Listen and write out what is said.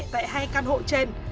tại hai căn hộ trên